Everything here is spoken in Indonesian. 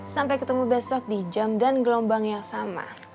sampai ketemu besok di jam dan gelombang yang sama